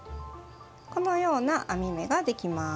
このような編み目ができます。